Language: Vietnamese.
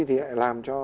thì lại làm cho